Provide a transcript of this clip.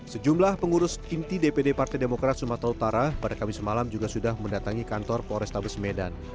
sejumlah pengurus inti dpd partai demokrat sumatera utara pada kamis malam juga sudah mendatangi kantor polrestabes medan